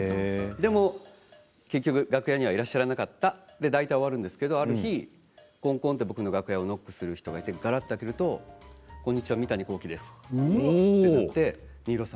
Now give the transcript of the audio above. でも結局楽屋にはいらっしゃらなかった、で大体終わるんですけどある日こんこんと僕の楽屋をノックする人がいて開けるとこんにちは、三谷幸喜です、と言って新納さん